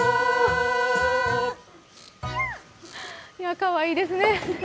かわいいですね。